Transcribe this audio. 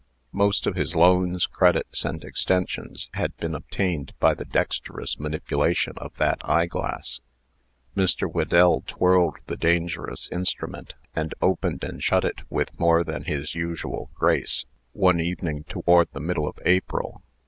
Most of his loans, credits, and extensions, had been obtained by the dexterous manipulation of that eyeglass. Mr. Whedell twirled the dangerous instrument, and opened and shut it with more than his usual grace, one evening toward the middle of April.